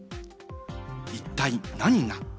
一体何が？